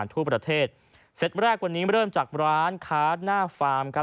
ทั่วประเทศเซตแรกวันนี้เริ่มจากร้านค้าหน้าฟาร์มครับ